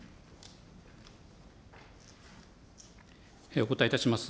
お答えいたします。